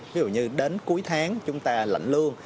ví dụ như đến cuối tháng chúng ta lạnh lương